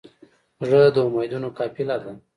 زړه د امیدونو قافله ده.